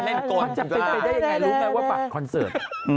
มันจะเป็นไปได้ยังไงรู้ไหมว่าบัตรคอนเสิร์ต